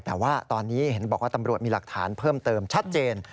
แต่ว่าตอนนี้เห็นบอกว่าตำรวจมีหลักฐานเพิ่มเติมชัดเจน